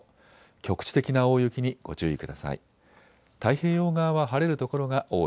局地的な大雪にご注意ください。